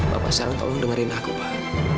bapak sekarang tolong dengerin aku pak